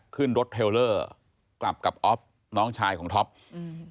ขึ้นรถเทลเลอร์กลับกับออฟน้องชายของท็อปอืม